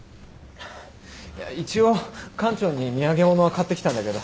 一応館長に土産物は買ってきたんだけど。